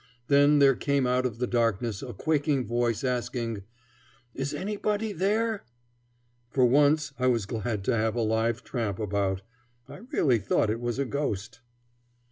Then there came out of the darkness a quaking voice asking, "Is anybody there?" For once I was glad to have a live tramp about. I really thought it was a ghost.